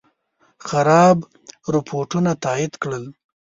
خراب رپوټونه تایید کړل.